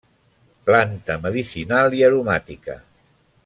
Planta medicinal i aromàtica.